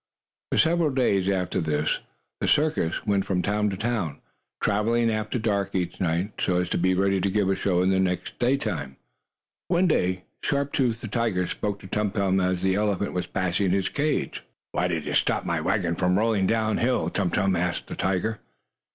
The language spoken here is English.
For several days after this the circus went from town to town, traveling after dark each night, so as to be ready to give a show in the day time. One day Sharp Tooth, the tiger, spoke to Tum Tum as the elephant was passing the cage. "Why did you stop my wagon from rolling down hill, Tum Tum?" asked the tiger.